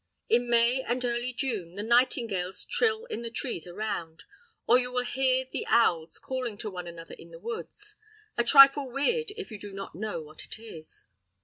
In May and early June the nightingales trill in the trees around; or you will hear the owls calling to one another in the woods—a trifle weird if you do not know what it is.